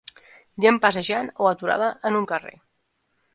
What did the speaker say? Gent passejant o aturada en un carrer.